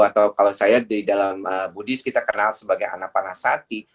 atau kalau saya di dalam buddhis kita kenal sebagai anak panasati